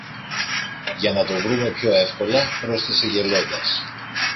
για να το βρούμε πιο εύκολα, πρόσθεσε γελώντας.